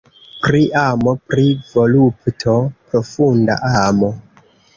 Pri amo, pri volupto. Profunda amo.